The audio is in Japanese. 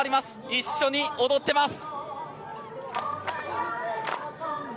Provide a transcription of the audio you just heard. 一緒に踊ってます。